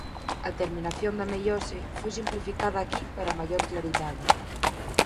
A terminación da meiose foi simplificada aquí para maior claridade.